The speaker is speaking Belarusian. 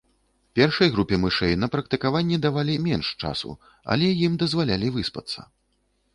Першай групе мышэй на практыкаванні давалі менш часу, але ім дазвалялі выспацца.